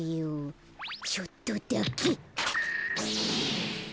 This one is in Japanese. ちょっとだけ。